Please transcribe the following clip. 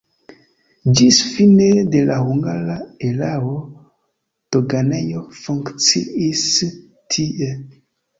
Ĝis fine de la hungara erao doganejo funkciis tie.